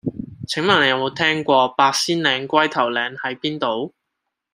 請問你有無聽過八仙嶺龜頭嶺喺邊度